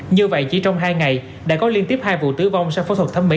như vậy chỉ trong hai ngày đã có liên tiếp hai vụ tử vong sau phẫu thuật thấm mỉ